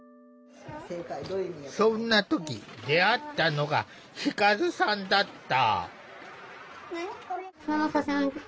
そんな時出会ったのが輝さんだった。